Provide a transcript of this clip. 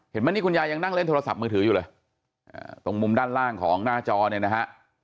มานี่คุณยายยังนั่งเล่นโทรศัพท์มือถืออยู่เลยตรงมุมด้านล่างของหน้าจอเนี่ยนะฮะ